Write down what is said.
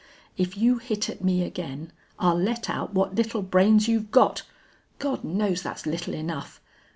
"If you hit at me again I'll let out what little brains you've got. God knows that's little enough!...